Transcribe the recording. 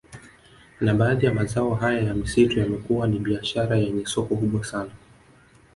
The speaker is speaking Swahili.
Na baadhi ya mazao haya ya misitu yamekuwa ni biashara yenye soko kubwa sana